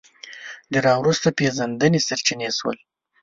د راوروسته پېژندنې سرچینې شول